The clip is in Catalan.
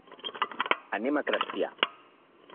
Anem a Crespià.